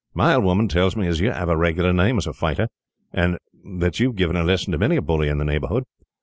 My old woman tells me as you have a regular name as a fighter, and that you have given a lesson to many a bully in the neighbourhood.